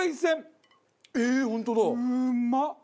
うまっ！